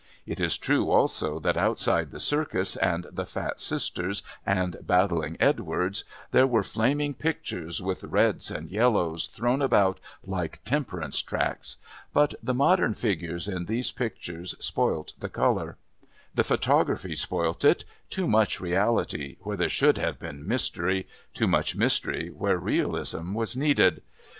It is true also that outside the Circus and the Fat Sisters and Battling Edwardes there were flaming pictures with reds and yellows thrown about like temperance tracts, but the modern figures in these pictures spoilt the colour, the photography spoilt it too much reality where there should have been mystery, too much mystery where realism was needed.